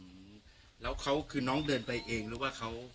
อืมแล้วเขาคือน้องเดินไปเองหรือว่าเขา